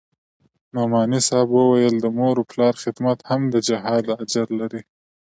نعماني صاحب وويل د مور و پلار خدمت هم د جهاد اجر لري.